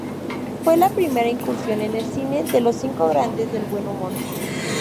Fue la primera incursión en el cine de Los Cinco Grandes del Buen Humor.